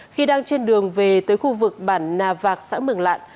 khi đang trên đường về tới khu vực bản nà vạc xã mường lạn